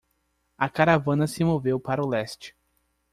A caravana se moveu para o leste.